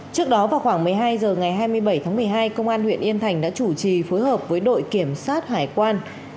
trước đó vào khoảng một mươi hai h ngày hai mươi bảy tháng một mươi hai công an huyện yên thành đã chủ trì phối hợp với đội kiểm soát hải quan